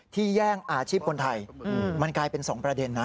แย่งอาชีพคนไทยมันกลายเป็น๒ประเด็นนะ